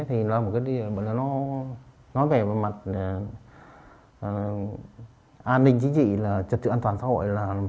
thì nó nói về mặt an ninh chính trị trật trực an toàn xã hội